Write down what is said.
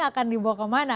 akan dibawa kemana